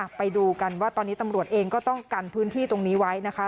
ไปดูกันว่าตอนนี้ตำรวจเองก็ต้องกันพื้นที่ตรงนี้ไว้นะคะ